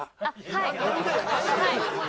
はい。